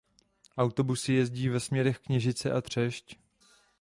Autobusy jezdí ve směrech Kněžice a Třešť.